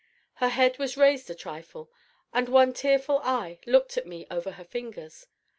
Her head was raised a trifle, and one tearful eye looked at me over her fingers.